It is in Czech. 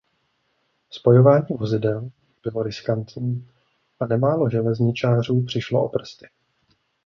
Spojování vozidel bylo riskantní a nemálo železničářů přišlo o prsty.